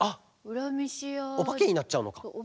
おばけになっちゃうのか。